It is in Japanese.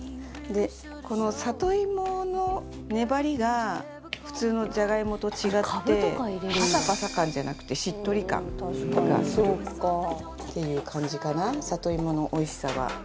この里芋の粘りが普通のじゃがいもと違ってパサパサ感じゃなくてしっとり感っていう感じかな里芋のおいしさは。